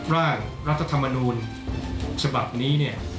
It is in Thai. ร่างรัฐธรรมนูญฉบับนี้